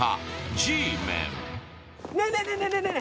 「Ｇメン」。